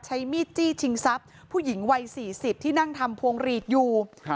ใช้มีดจี้ชิงทรัพย์ผู้หญิงวัยสี่สิบที่นั่งทำพวงหลีดอยู่